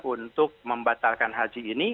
untuk membatalkan haji ini